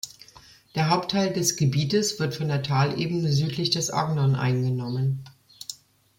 Der Hauptteil des Gebietes wird von der Talebene südlich des Ognon eingenommen.